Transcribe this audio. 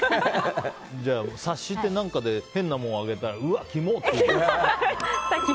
じゃあ、察して何かで変なものあげたらうわ、キモっ！って。